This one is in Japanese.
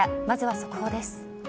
まずは速報です。